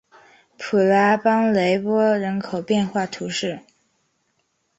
普拉邦雷波人口变化图示